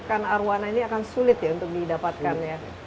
ikan arwana ini akan sulit ya untuk didapatkan ya